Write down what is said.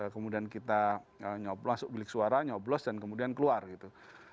kemudian kita nyoblo masuk bilik suara nyoblos dan kemudian keluar gitu